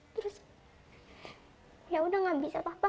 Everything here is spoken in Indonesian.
terus yaudah gak bisa papa